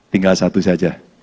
tinggal satu saja